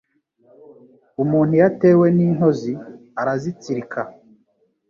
Umuntu iyo atewe n’intozi arazitsirika,